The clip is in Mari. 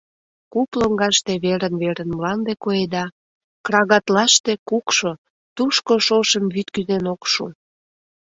Куп лоҥгаште верын-верын мланде коеда, крагатлаште кукшо, тушко шошым вӱд кӱзен ок шу.